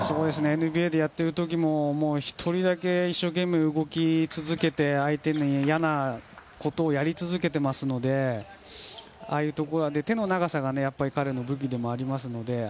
ＮＢＡでやっている時も１人だけ一生懸命動き続けて相手が嫌なことをやり続けていますので手の長さが彼の武器でもありますのであ